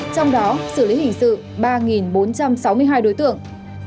trong đó xử lý hình sự ba bốn trăm sáu mươi hai đối tượng